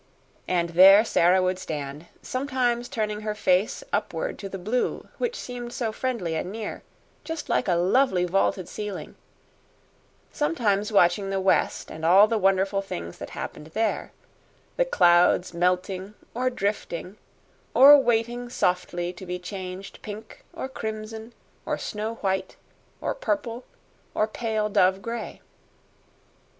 And there Sara would stand, sometimes turning her face upward to the blue which seemed so friendly and near just like a lovely vaulted ceiling sometimes watching the west and all the wonderful things that happened there: the clouds melting or drifting or waiting softly to be changed pink or crimson or snow white or purple or pale dove gray.